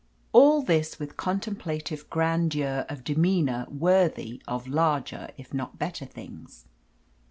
All this with a contemplative grandeur of demeanour worthy of larger if not better things.